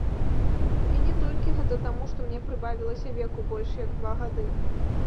І не толькі гэта таму, што мне прыбавілася веку больш як два гады.